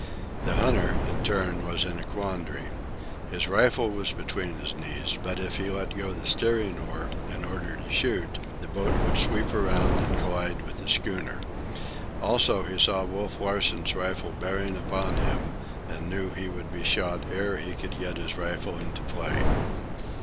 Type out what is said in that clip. The hunter, in turn, was in a quandary. His rifle was between his knees, but if he let go the steering oar in order to shoot, the boat would sweep around and collide with the schooner. Also he saw Wolf Larsen's rifle bearing upon him and knew he would be shot ere he could get his rifle into play.